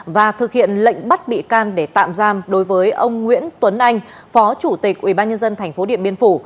và thực hiện lệnh bắt bị can để tạm giam đối với ông nguyễn tuấn anh phó chủ tịch ubnd tp điện biên phủ